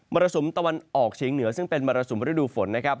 รสุมตะวันออกเฉียงเหนือซึ่งเป็นมรสุมฤดูฝนนะครับ